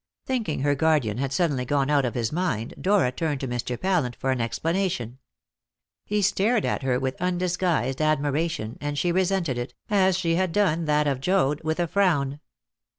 Thinking her guardian had suddenly gone out of his mind, Dora turned to Mr. Pallant for an explanation. He stared at her with undisguised admiration, and she resented it, as she had done that of Joad, with a frown.